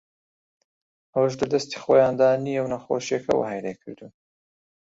ئەوەش لەدەستی خۆیاندا نییە و نەخۆشییەکە وەهای لێکردوون